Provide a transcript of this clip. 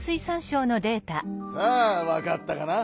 さあわかったかな？